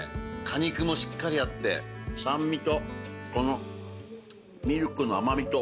果肉もしっかりあって酸味とミルクの甘味と。